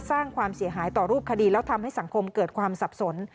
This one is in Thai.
สร้างความเสียหายต่อรูปคดีแล้วทำให้สังคมเกิดความสับสน